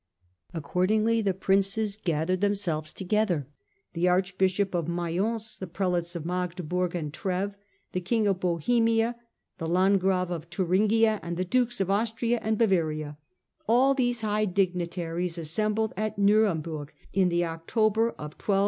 Accordingly the Princes gathered themselves together. The Archbishop of May ence, the Prelates of Magdeburg and Treves, the King of Bohemia, the Landgrave of Thuringia, and the Dukes of Austria and Bavaria, all these high dignitaries assembled at Nuremburg in the October of 1211.